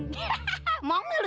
ntar antarannya itu cucian